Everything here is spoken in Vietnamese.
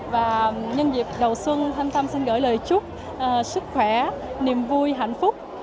và nhân dịp đầu xuân thanh tâm xin gửi lời chúc sức khỏe niềm vui hạnh phúc